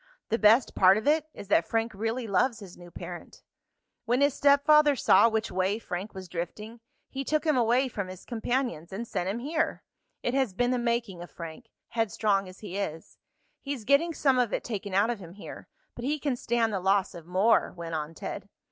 The best part of it is that Frank really loves his new parent. "When his stepfather saw which way Frank was drifting, he took him away from his companions, and sent him here. It has been the making of Frank, headstrong as he is. He's getting some of it taken out of him here, but he can stand the loss of more," went on Ted.